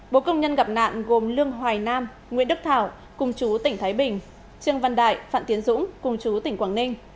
bộ công nhân gặp nạn gồm lương hoài nam nguyễn đức thảo cùng chú tỉnh thái bình trương văn đại phạm tiến dũng cùng chú tỉnh quảng ninh